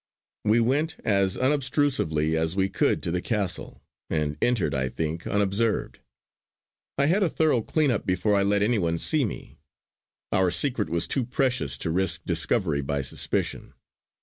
We went as unobtrusively as we could to the Castle; and entered, I think, unobserved. I had a thorough clean up before I let any one see me; our secret was too precious to risk discovery by suspicion.